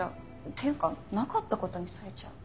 っていうかなかった事にされちゃう。